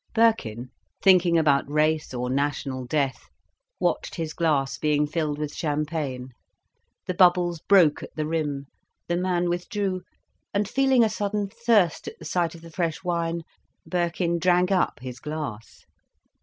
Birkin, thinking about race or national death, watched his glass being filled with champagne. The bubbles broke at the rim, the man withdrew, and feeling a sudden thirst at the sight of the fresh wine, Birkin drank up his glass.